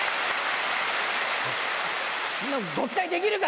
ご期待できるか！